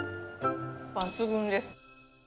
抜群です。